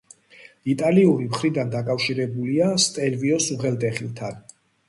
იტალიური მხრიდან დაკავშირებულია სტელვიოს უღელტეხილთან.